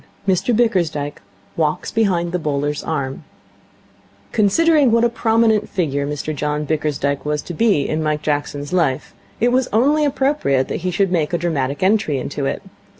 Mr Bickersdyke Walks behind the Bowler's Arm Considering what a prominent figure Mr John Bickersdyke was to be in Mike Jackson's life, it was only appropriate that he should make a dramatic entry into it.